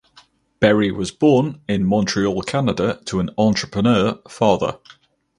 Berry was born in Montreal Canada to an entrepreneur father.